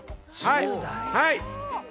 はい！